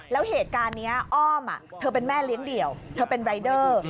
แล้วเหตุการณ์นี้อ้อมเธอเป็นแม่เลี้ยงเดี่ยวเธอเป็นรายเดอร์